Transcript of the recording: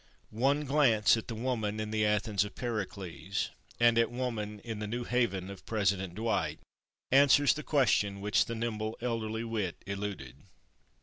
One glance at the woman in the Athens of Pericles and at woman in the New Haven of President Dwight answers the question which the nimble elderly wit eluded.